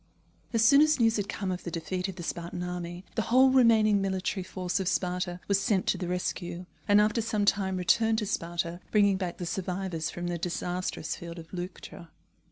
As soon as news had come of the defeat of the Spartan army, the whole remaining military force of Sparta was sent to the rescue, and after some time returned to Sparta, bringing back the survivors from the disastrous field of Leuctra.